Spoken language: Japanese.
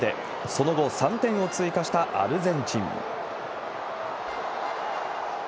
その後、３点を追加したアルゼンチン。